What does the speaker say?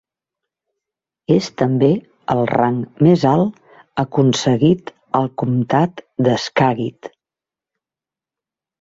És també el rang més alt aconseguit al comtat de Skagit.